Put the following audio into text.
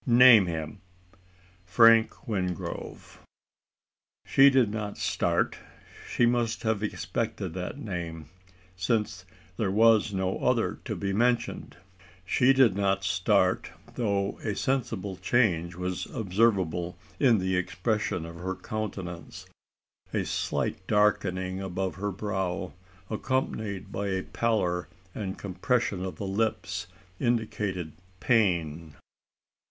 "Name him!" "Frank Wingrove." She did not start. She must have expected that name: since there was no other to be mentioned. She did not start, though a sensible change was observable in the expression of her countenance. A slight darkling upon her brow, accompanied by a pallor and compression of the lips, indicated pain.